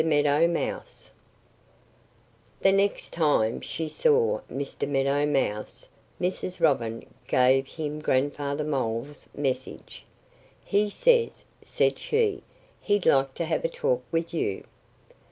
MEADOW MOUSE THE next time she saw Mr. Meadow Mouse Mrs. Robin gave him Grandfather Mole's message. "He says," said she, "he'd like to have a talk with you."